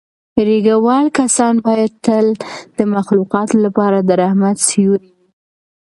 ږیره وال کسان باید تل د مخلوقاتو لپاره د رحمت سیوری وي.